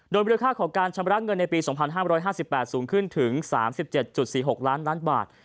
โดยมูลค่าของการชำระเงินในปี๒๕๕๘สูงขึ้นถึง๓๗๔๖ล้านล้านบาท